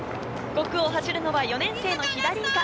５区を走るのは４年生の飛田凜香。